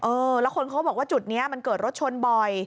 เออแล้วคนเขาบอกว่าจุดนี้มันเกิดรถชนบ่อย